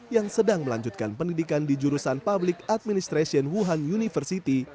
yang sedang melanjutkan pendidikan di jurusan public administration wuhan university